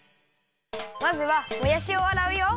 まずはもやしをあらうよ。